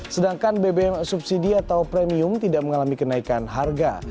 sedangkan bbm subsidi atau premium tidak mengalami kenaikan harga